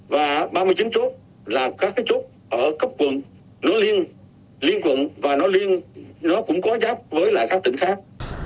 và ba mươi chín chốt là các cái chốt ở cấp quận nó liên quận và nó liên nó cũng có giáp với lại các tỉnh khác